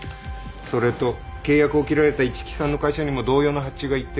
それと契約を切られた一木さんの会社にも同様の発注が行ってるそうだ。